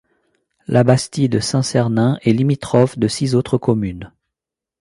Labastide-Saint-Sernin est limitrophe de six autres communes.